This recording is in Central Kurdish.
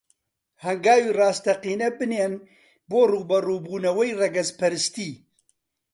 هەنگاوی ڕاستەقینە بنێن بۆ ڕووبەڕووبوونەوەی ڕەگەزپەرستی